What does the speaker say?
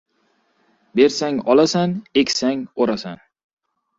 • Bersang — olasan, eksang — o‘rasan.